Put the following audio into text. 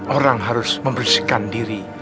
orang harus membersihkan diri